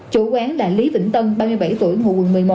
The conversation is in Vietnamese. chủ quán là lý vĩnh tân ba mươi bảy tuổi ngụ quận một mươi một